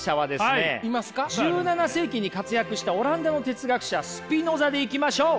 １７世紀に活躍したオランダの哲学者スピノザでいきましょう！